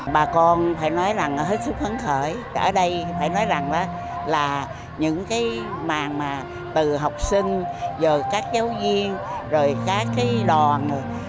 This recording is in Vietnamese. bà con phải nói là hết sức phấn khởi ở đây phải nói là những cái màn từ học sinh giờ các giáo viên rồi các cái đoàn